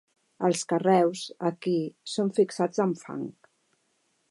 Els carreus, aquí, són fixats amb fang.